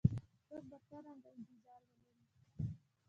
څوک به څرنګه انتظار ولري؟